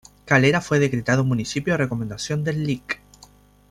Calera fue decretado municipio a recomendación del Lic.